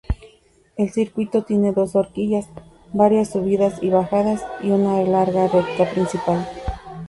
El circuito tiene dos horquillas, varias subidas y bajadas, y una larga recta principal.